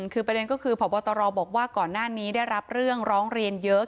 คือประเด็นก็คือพบตรบอกว่าก่อนหน้านี้ได้รับเรื่องร้องเรียนเยอะ